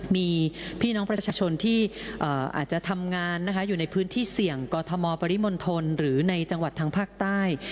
มีพี่น้องประชาชนที่อาจจะทำงานนะคะอยู่ในพื้นที่เสี่ยงกรทมปริมณฑลหรือในจังหวัดทางภาคใต้